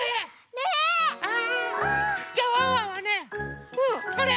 ねえ。じゃあワンワンはねこれ。